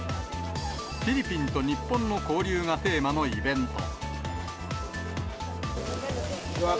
フィリピンと日本の交流がテーマのイベント。